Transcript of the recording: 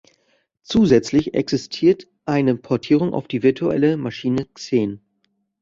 Zusätzlich existiert eine Portierung auf die virtuelle Maschine Xen.